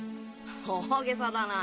大げさだな。